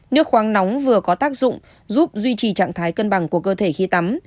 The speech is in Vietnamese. nước khoáng nóng vừa có tác dụng giúp duy trì trạng thái cân bằng của cơ thể khi tắm